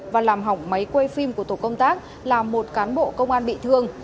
và làm hỏng máy quay phim của tổ công tác làm một cán bộ công an bị thương